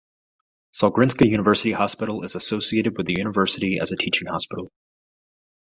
Sahlgrenska University Hospital is associated with the university as a teaching hospital.